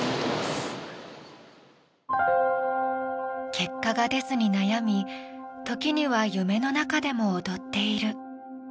結果が出ずに悩み時には夢の中でも踊っている。